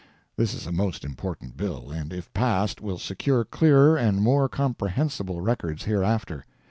[This is a most important bill, and if passed will secure clearer and more comprehensible records hereafter.